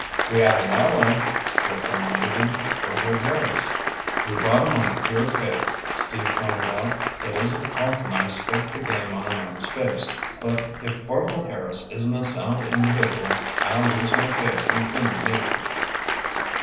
"We have an ally," Rick reminded. "Orvil Harris." "We bought him on pure faith," Steve pointed out. "It isn't often I stake the game on a man's face, but if Orvil Harris isn't a sound individual, I'll lose my faith in human nature."